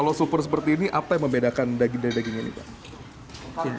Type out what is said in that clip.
kalau super seperti ini apa yang membedakan daging dan daging ini pak